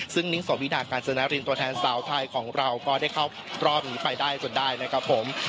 ซึ่งนิ้งโสวินาการจนนารินตัวแทนสาวไทยของเราก็ได้เข้ารอบนี้ไปได้จนได้นะครับผม